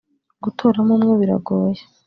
Gutoramo umwe biragoye